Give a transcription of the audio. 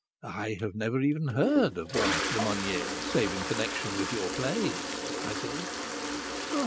"I have never even heard of Blanche Lemonnier, save in connection with your plays," I said.